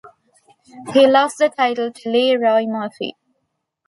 He lost the title to Lee Roy Murphy.